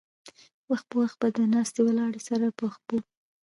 وخت پۀ وخت به د ناستې ولاړې سره پۀ پښو